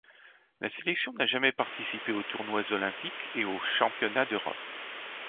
La sélection n'a jamais participé aux tournois olympiques et aux championnats d'Europe.